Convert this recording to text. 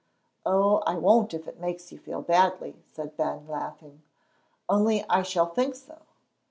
"Oh, I won't if it makes you feel badly," said Ben, laughing, "only I shall think so."